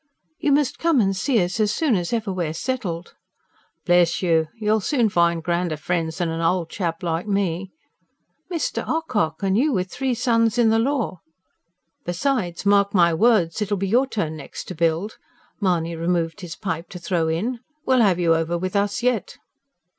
"You must come and see us, as soon as ever we're settled." "Bless you! You'll soon find grander friends than an old chap like me." "Mr. Ocock! And you with three sons in the law!" "Besides, mark my words, it'll be your turn next to build," Mahony removed his pipe to throw in. "We'll have you over with us yet."